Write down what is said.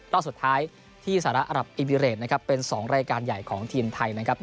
รอบสุดท้ายที่สหรัฐอรับอิมิเรตนะครับเป็น๒รายการใหญ่ของทีมไทยนะครับ